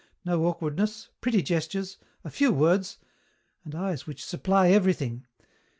No awkwardness, pretty gestures, a few words, and eyes which supply everything!